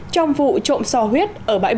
trong vụ trộm sát